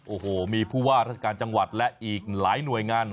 โอ้โหมีผู้ว่าราชการจังหวัดและอีกหลายหน่วยงาน